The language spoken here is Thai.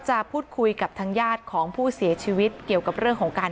จะพูดคุยกับทางญาติของผู้เสียชีวิตเกี่ยวกับเรื่องของการ